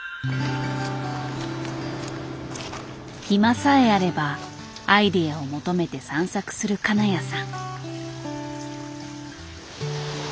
暇さえあればアイデアを求めて散策する金谷さん。